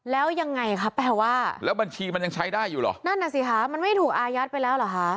แล้วยังไงคะแปลว่าแล้วบัญชีมันยังใช้ได้อยู่เหรอนั่นน่ะสิคะมันไม่ถูกอายัดไปแล้วเหรอคะ